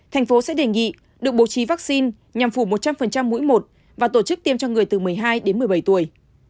thành phố sẽ đề nghị được bố trí vaccine nhằm phủ một trăm linh mũi một và tổ chức tiêm cho người từ một mươi hai đến một mươi bảy tuổi